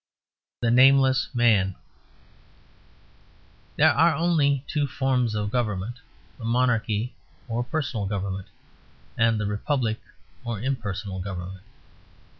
THE NAMELESS MAN There are only two forms of government—the monarchy or personal government, and the republic or impersonal government.